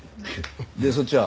でそっちは？